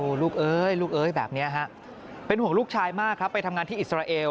โอ้โหลูกเอ้ยลูกเอ้ยแบบนี้ฮะเป็นห่วงลูกชายมากครับไปทำงานที่อิสราเอล